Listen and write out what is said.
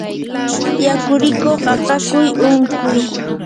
yakurikuq akakuy unquy